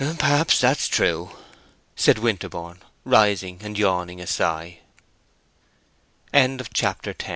"Perhaps that's true," said Winterborne, rising and yawning a sigh. CHAPTER XI.